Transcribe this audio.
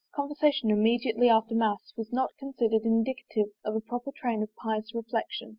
Conversation immediately after mass was not considered indicative of a proper train of pious reflection.